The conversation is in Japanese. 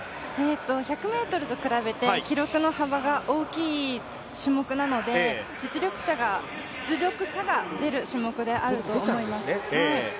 １００ｍと比べて記録の幅が大きい種目なので実力差が出る種目であると思います。